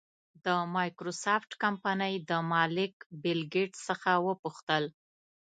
د مایکروسافټ کمپنۍ د مالک بېل ګېټس څخه وپوښتل.